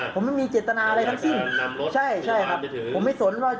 ผมไม่มีเจตนาอะไรทั้งสิ้นใช่ใช่ครับผมไม่สนว่า